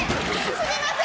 すみません！